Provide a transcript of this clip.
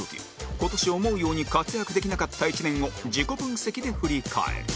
今年思うように活躍できなかった１年を自己分析で振り返る